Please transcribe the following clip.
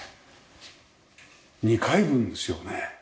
２階分ですよね？